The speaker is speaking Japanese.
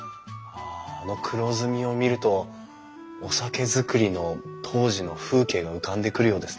あの黒ずみを見るとお酒造りの当時の風景が浮かんでくるようですね。